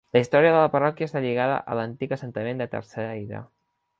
La història de la parròquia està lligada a l'antic assentament de Terceira.